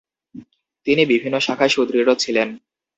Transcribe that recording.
তিনি বিভিন্ন শাখায় সুদৃঢ় ছিলেন।